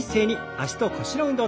脚と腰の運動。